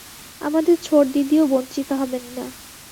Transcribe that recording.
আমাদের ছোড়দিদিও বঞ্চিত হবেন না।